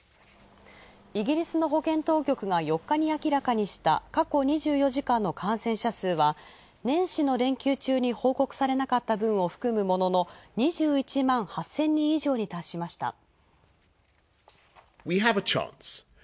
イギリスの保健当局が４日に明らかにした過去２４時間の感染者数は年始の連休中に報告されなかったものを含むものの、２１万８０００人以上に達した。